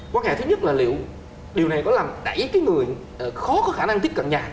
quan ngại thứ nhất là liệu điều này có làm đẩy cái người khó có khả năng tiếp cận nhà